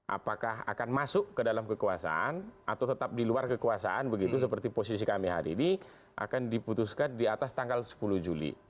apakah akan masuk ke dalam kekuasaan atau tetap di luar kekuasaan begitu seperti posisi kami hari ini akan diputuskan di atas tanggal sepuluh juli